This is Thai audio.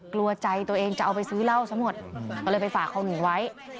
กลัวใจตัวเองจะเอาไปซื้อเหล้าซะหมดก็เลยไปฝากเขาหนึ่งไว้